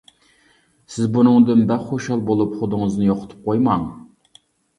سىز بۇنىڭدىن بەك خۇشال بولۇپ، خۇدىڭىزنى يوقىتىپ قويماڭ.